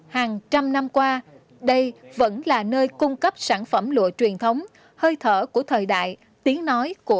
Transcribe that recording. hàng trăm năm qua đây vẫn là nơi cung cấp sản phẩm lụa truyền thống hơi thở của thời đại tiếng nói của